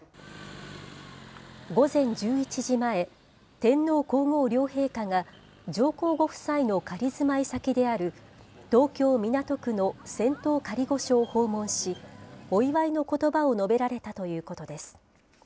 午前１１時前、天皇皇后両陛下が上皇ご夫妻の仮住まい先である、東京・港区の仙洞仮御所を訪問し、お祝いのことばを述べられたということです。